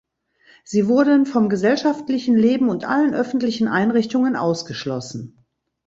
Sie wurden vom gesellschaftlichen Leben und allen öffentlichen Einrichtungen ausgeschlossen.